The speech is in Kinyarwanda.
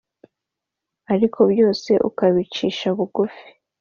aliko byose ukabicisha bugufi